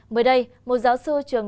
mới đây một giáo sư trưởng